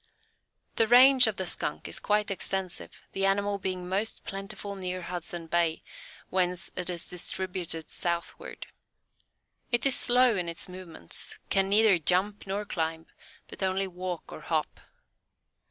The range of the Skunk is quite extensive, the animal being most plentiful near Hudson Bay, whence it is distributed southward. It is slow in its movements, can neither jump nor climb, but only walk or hop.